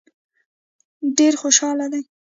ډېر خوشاله دي.